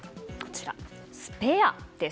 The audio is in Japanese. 「スペア」です。